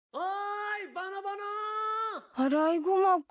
アライグマ君？